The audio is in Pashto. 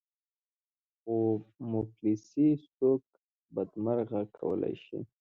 خو مفلسي څوک بدمرغه کولای شي.